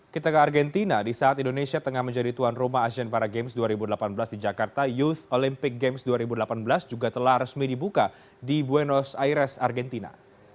kita ke argentina di saat indonesia tengah menjadi tuan rumah asian para games dua ribu delapan belas di jakarta youth olympic games dua ribu delapan belas juga telah resmi dibuka di buenos aires argentina